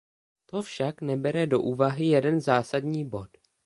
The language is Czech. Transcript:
To však nebere do úvahy jeden zásadní bod.